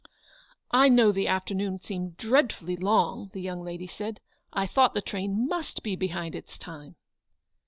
" I know the afternoon seemed dreadfully long," the young lady said. "I thought the train must be behind its time."